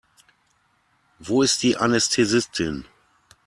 Wo ist die Anästhesistin?